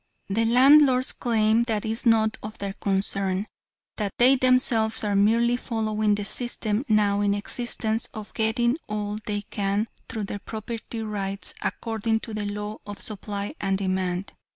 The landlords claim that is none of their concern; that they themselves are merely following the system now in existence of getting all they can, through their property rights, according to the law of supply and demand.